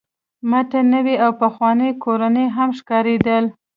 شاته یې نوي او پخواني کورونه هم ښکارېدل.